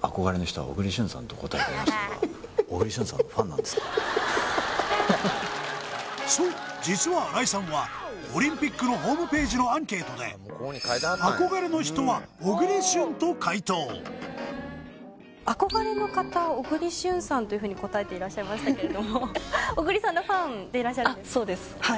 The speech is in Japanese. ここからそう実は新井さんはオリンピックのホームページのアンケートで憧れの人は小栗旬と回答憧れの方小栗旬さんというふうに答えていらっしゃいましたけれども小栗さんのファンでいらっしゃるんですか？